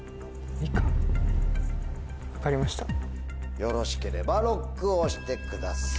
よろしければＬＯＣＫを押してください。